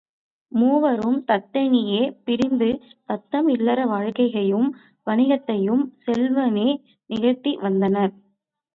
மூவரும் தனித்தனியே பிரிந்து தத்தம் இல்லற வாழ்க்கையையும் வாணிகத்தையும் செவ்வனே நிகழ்த்தி வந்தனர்.